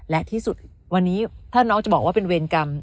และที่สุดวันนี้ถ้าน้องจะบอกว่าเป็นเวรกรรม